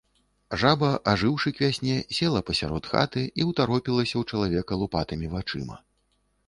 Жаба, ажыўшы к вясне, села пасярод хаты і ўтаропілася ў чалавека лупатымі вачыма.